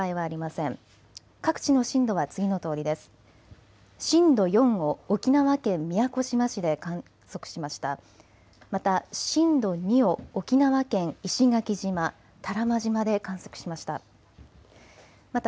また震度２を沖縄県石垣島、多良間島で観測しました。